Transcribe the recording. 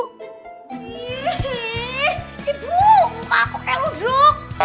mumpah aku keludruk